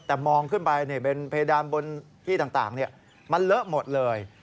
แต่มองขึ้นไปเป็นเพดานบนที่ต่างมันเลอะหมดเลย